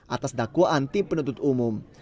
atas dakwaan tim penuntut umum